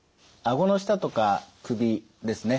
顎の下とか首ですね